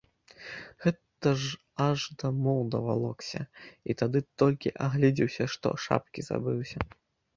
Гэта ж аж дамоў давалокся і тады толькі агледзеўся, што шапкі забыўся.